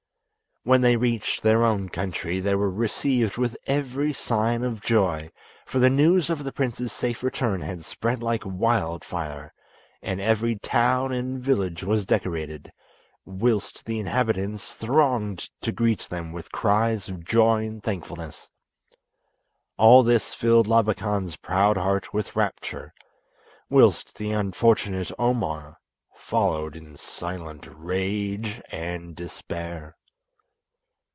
When they reached their own country they were received with every sign of joy, for the news of the prince's safe return had spread like wildfire, and every town and village was decorated, whilst the inhabitants thronged to greet them with cries of joy and thankfulness. All this filled Labakan's proud heart with rapture, whilst the unfortunate Omar followed in silent rage and despair.